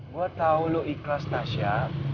gua tau lu ikhlas tasha